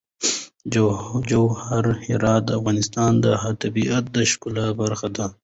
جواهرات د افغانستان د طبیعت د ښکلا برخه ده.